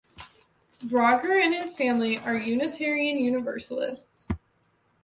Braugher and his family are Unitarian Universalist.